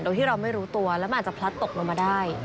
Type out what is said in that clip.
โดยที่เราไม่รู้ตัวแล้วมันอาจจะพลัดตกลงมาได้